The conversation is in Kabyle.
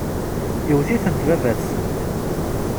Iwet-itent baba-tsent.